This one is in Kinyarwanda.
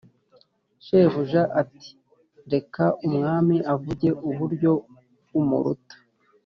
shebuja ati:reka umwami uvuge uburyo umuruta